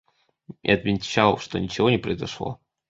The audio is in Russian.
И отмечал, что ничего не произошло.